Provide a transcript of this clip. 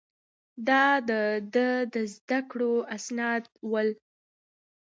دا د ده د زده کړو اسناد ول.